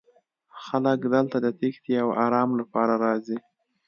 خلک دلته د تیښتې او ارام لپاره راځي